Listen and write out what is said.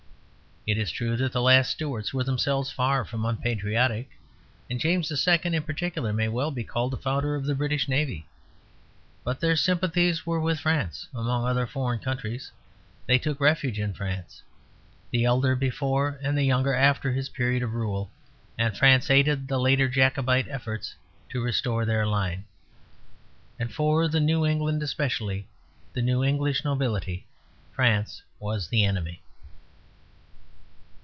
It is true that the last Stuarts were themselves far from unpatriotic; and James II. in particular may well be called the founder of the British Navy. But their sympathies were with France, among other foreign countries; they took refuge in France, the elder before and the younger after his period of rule; and France aided the later Jacobite efforts to restore their line. And for the new England, especially the new English nobility, France was the enemy.